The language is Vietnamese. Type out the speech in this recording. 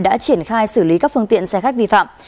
đã triển khai xử lý các phương tiện xe khách vi phạm